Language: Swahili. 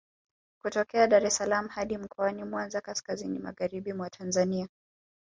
Kutokea Dar es salaam hadi Mkoani Mwanza kaskazini magharibi mwa Tanzania